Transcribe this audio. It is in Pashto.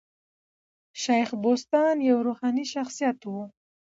شېخ بُستان یو روحاني شخصیت وو.